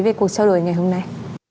về cuộc trao đổi ngày hôm nay